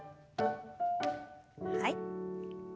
はい。